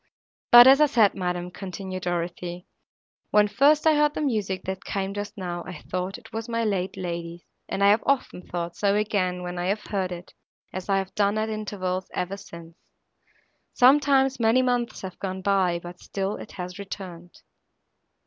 But, as I said, madam," continued Dorothée, "when first I heard the music, that came just now, I thought it was my late lady's, and I have often thought so again, when I have heard it, as I have done at intervals, ever since. Sometimes, many months have gone by, but still it has returned."